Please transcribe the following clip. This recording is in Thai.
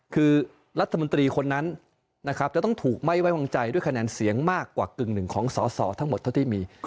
คือรัฐมนตรีคนนั้นนะครับจะต้องถูกไม่ไว้วางใจด้วยคะแนนเสียงมากกว่ากึ่งหนึ่งของสอสอทั้งหมดเท่าที่มี